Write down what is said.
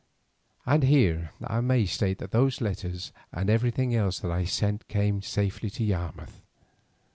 And here I may state that those letters and everything else that I sent came safely to Yarmouth.